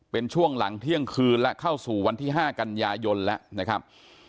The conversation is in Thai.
เป็นช่วงหลังเที่ยงคืนแล้วเข้าสู่วันที่๕กันยายนแล้วนะครับ